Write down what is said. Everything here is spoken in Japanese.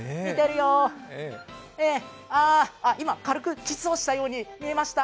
今、軽くキスをしたように見えました。